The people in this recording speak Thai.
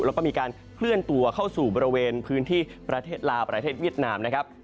แล้วก็มีการเคลื่อนตัวเข้าสู่บริเวณพื้นที่ประเทศลาวประเทศเวียดนามนะครับ